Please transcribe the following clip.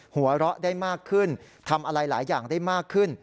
หัวเราะได้มากขึ้นทำอะไรหลายอย่างได้มากขึ้น